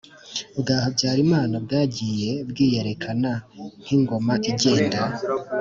Bwa habyarimana bwagiye bwiyerekana nk ingoma igenda